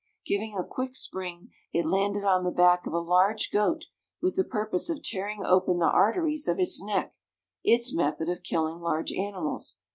Giving a quick spring, it landed on the back of a large goat, with the purpose of tearing open the arteries of its neck its method of killing large animals.